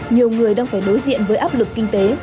nhiều người đang phải đối diện với áp lực kinh tế